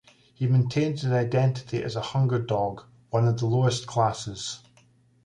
He maintains an identity as a "Hunger Dog", one of the lowest classes.